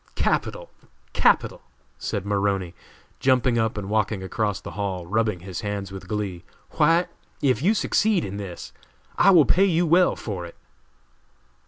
"Capital! capital!!" said Maroney, jumping up and walking across the hall, rubbing his hands with glee. "White, if you succeed in this I will pay you well for it."